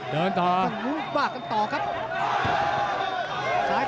หรือว่าผู้สุดท้ายมีสิงคลอยวิทยาหมูสะพานใหม่